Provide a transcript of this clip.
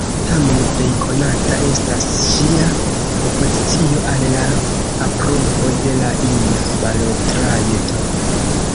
Tamen, plej konata estas ŝia opozicio al la aprobo de la ina balotrajto.